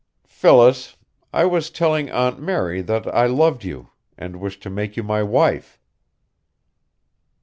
"Phyllis, I was telling Aunt Mary that I loved you and wished to make you my wife."